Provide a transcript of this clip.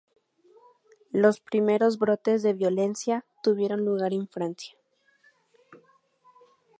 Los primeros brotes de violencia tuvieron lugar en Francia.